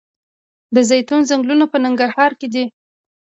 د زیتون ځنګلونه په ننګرهار کې دي؟